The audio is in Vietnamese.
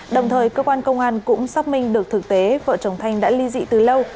đồng thời cơ quan công an cũng xác minh được thực tế vợ chồng thanh đã ly dị từ lâu